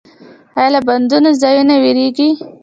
ایا له بندو ځایونو ویریږئ؟